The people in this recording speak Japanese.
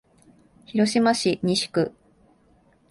広島市西区